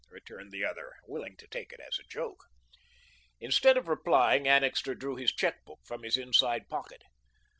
returned the other, willing to take it as a joke. Instead of replying, Annixter drew his check book from his inside pocket.